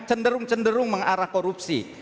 cenderung cenderung mengarah korupsi